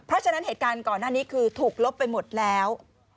เพราะฉะนั้นเหตุการณ์ก่อนหน้านี้คือถูกลบไปหมดแล้ว